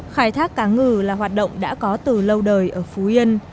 khai thác cá ngừ là hoạt động đã có từ lâu đời ở phú yên